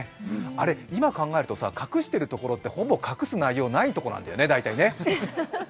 あれ、今考えると、隠してるところって、ほぼ隠す内容がないところなんだよね、大体ね。